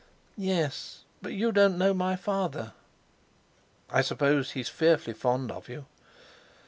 "Yes; but you don't know my father!" "I suppose he's fearfully fond of you."